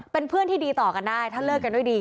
เป็นเพื่อนที่ดีต่อกันได้ถ้าเลิกกันด้วยดี